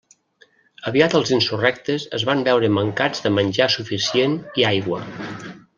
Aviat els insurrectes es van veure mancats de menjar suficient i aigua.